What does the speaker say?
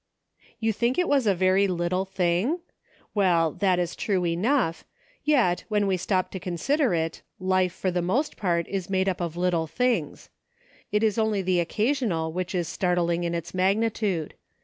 YOU think it was a very little thing ? Well, that is true enough ; yet, when we stop to consider it, life, for the most part, is made up of little things. It is only the occasional which is startling in its magnitude.